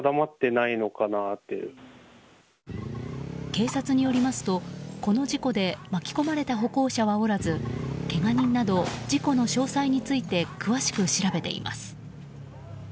警察によりますと、この事故で巻き込まれた歩行者はおらずけが人などに事故の詳細について詳しく調べています。